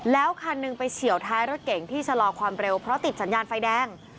แล้วคันหนึ่งไปเฉียวท้ายรถเก่งที่ชะลอความเร็วเพราะติดสัญญาณไฟแดง